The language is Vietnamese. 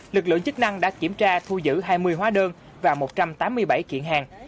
lực lượng chức năng đã kiểm tra thu giữ hai mươi hóa đơn và một trăm tám mươi bảy kiện hàng